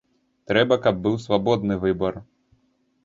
Трэба, каб быў свабодны выбар.